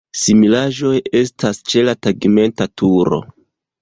Similaĵoj estas ĉe la tegmenta turo.